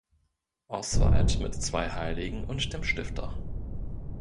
Oswald mit zwei Heiligen und dem Stifter.